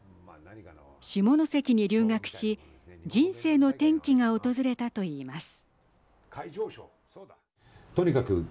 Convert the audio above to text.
下関に留学し人生の転機が訪れたといいます。